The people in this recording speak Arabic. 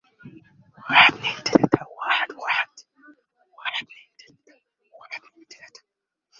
بلغت صبرا فقالت ما الخبر